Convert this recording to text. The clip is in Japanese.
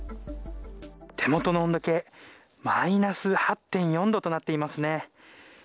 手元の温度計マイナス８．４度となっていますね。